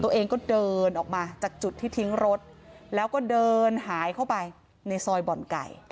ตัวเองก็เดินออกมาจากจุดที่ทิ้งรถแล้วก็เดินหายเข้าไปในซอยบ่อนไก่